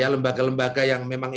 lembaga lembaga yang memang